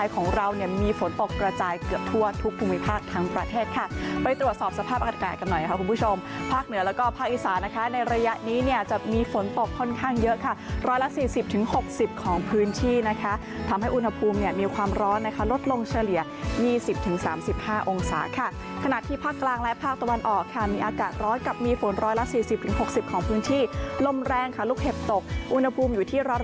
ของเรามีฝนปกกระจายเกือบทั่วทุกภูมิภาคทั้งประเทศค่ะไปตรวจสอบสภาพอากาศกันหน่อยค่ะคุณผู้ชมภาคเหนือแล้วก็ภาคอิสานะคะในระยะนี้จะมีฝนปกค่อนข้างเยอะค่ะร้อยละ๔๐๖๐ของพื้นที่นะคะทำให้อุณหภูมิมีความร้อนลดลงเฉลี่ย๒๐๓๕องศาค่ะขณะที่ภาคกลางและภาคตะวันออกมีอากาศร้อย